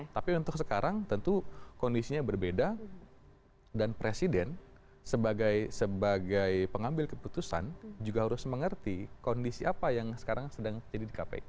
tapi untuk sekarang tentu kondisinya berbeda dan presiden sebagai pengambil keputusan juga harus mengerti kondisi apa yang sekarang sedang jadi di kpk